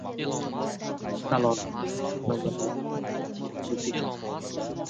Islom sivilizasiyasi markazida Qur’oni karimni o‘rganish kurslari ochildi